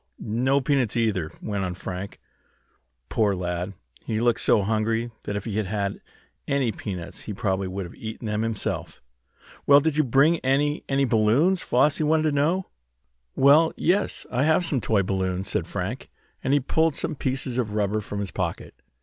"No peanuts, either," went on Frank. Poor lad! He looked so hungry that if he had had any peanuts he probably would have eaten them himself. "Well, did you bring any any balloons?" Flossie wanted to know. "Well, yes, I have some toy balloons," said Frank, and he pulled some pieces of rubber from his pocket.